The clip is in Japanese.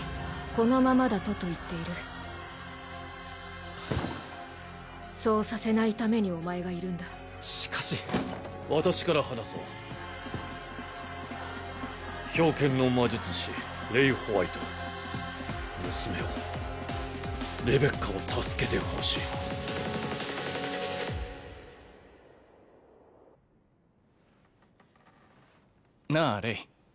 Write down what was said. このままだとと言っているそうさせないためにお前がいるんだしかし私から話そう冰剣の魔術師レイ＝ホワイト娘をレベッカを助けてほしいなあレイ